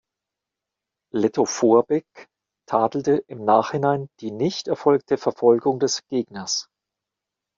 Lettow-Vorbeck tadelte im Nachhinein die nicht erfolgte Verfolgung des Gegners.